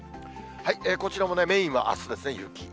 こちらもメインはあすですね、雪。